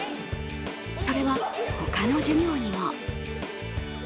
それは他の授業にも。